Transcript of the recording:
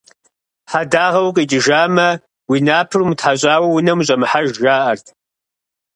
Хьэдагъэ укъикӏыжамэ, уи напэр умытхьэщӏауэ унэм ущӏэмыхьэж жаӏэрт.